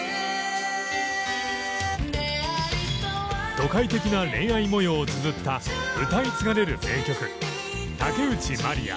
都会的な恋愛模様をつづった歌い継がれる名曲